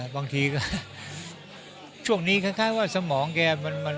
บางทีก็ช่วงนี้คล้ายว่าสมองแกมัน